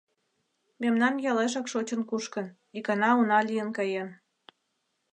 Мемнан ялешак шочын-кушкын, икана уна лийын каен.